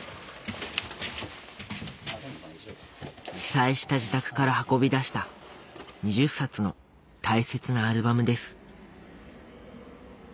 被災した自宅から運び出した２０冊の大切なアルバムです